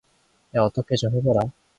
어떻게 좀 해봐!